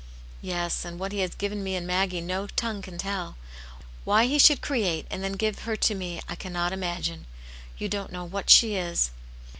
," Yes. And what He has given me in Maggie, no tongue can tell. Why He should create and then give her to me, I cannot imagine. You don't know what she is."